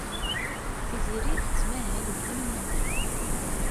Tiziri tettmahal deg yiwen n umedlu.